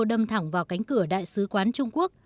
đâm thẳng vào cánh cửa đại sứ quán trung quốc